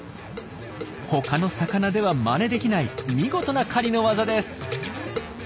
他の魚ではまねできない見事な狩りの技です！